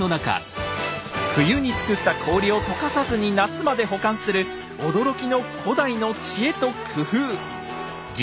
冬につくった氷を解かさずに夏まで保管する驚きの古代の知恵と工夫。